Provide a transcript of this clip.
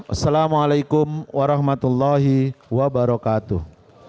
assalamu'alaikum warahmatullahi wabarakatuh